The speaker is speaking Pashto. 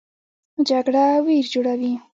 جګړه ویر جوړوي